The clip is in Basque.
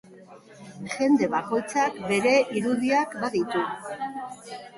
Jende bakoitzak bere irudiak baditu.